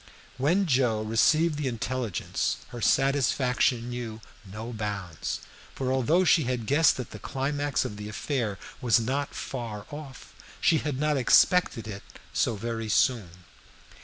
When Joe received the intelligence her satisfaction knew no bounds, for although she had guessed that the climax of the affair was not far off, she had not expected it so very soon.